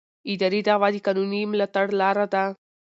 اداري دعوه د قانوني ملاتړ لاره ده.